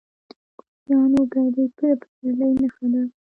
د کوچیانو کډې د پسرلي نښه ده.